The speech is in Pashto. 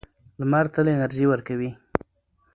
لمر تل انرژي ورکوي.